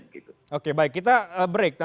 nanti kita akan bahas berapa penting sebetulnya ya